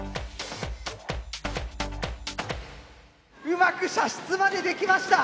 うまく射出までできました。